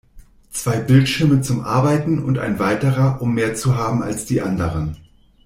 Zwei Bildschirme zum Arbeiten und ein weiterer, um mehr zu haben als die anderen.